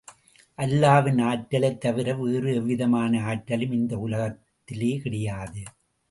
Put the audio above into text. அல்லாவின் ஆற்றலைத் தவிர வேறு எவ்விதமான ஆற்றலும் இந்த உலகத்திலே கிடையாது.